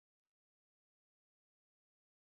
这个算法是基于序列的递增进位制数。